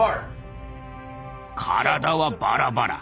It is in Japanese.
体はバラバラ。